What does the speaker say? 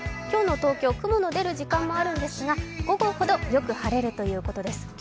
今日の東京、雲の出る時間もあるんですが、午後ほどよく晴れるということです